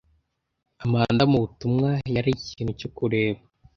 Amanda mubutumwa yari ikintu cyo kureba